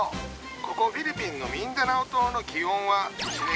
ここフィリピンのミンダナオ島の気温は１年中３０度くらい。